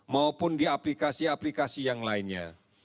maupun di aplikasi aplikasi yang lainnya